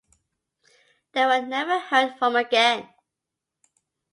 They were never heard from again.